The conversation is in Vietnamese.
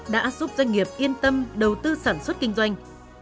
đã giúp doanh nghiệp yên tâm đầu tư sản xuất kinh doanh